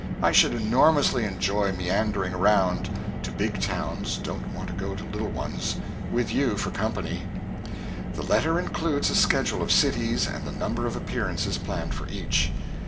I should enormously enjoy meandering around (to big towns don't want to go to little ones) with you for company. The letter includes a schedule of cities and the number of appearances planned for each.